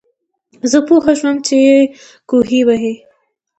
زۀ پوهه شوم چې کوهے وهي